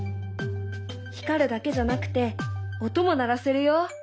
光るだけじゃなくて音も鳴らせるよ。